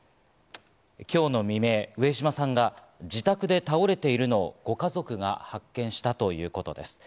今日の未明、上島さんが自宅で倒れているのをご家族が発見したということです。